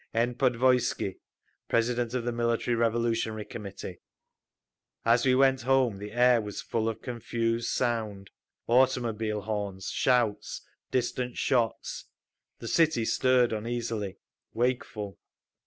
N. PODVOISKY, President of the Military Revolutionary Committee. As we went home the air was full of confused sound—automobile horns, shouts, distant shots. The city stirred uneasily, wakeful.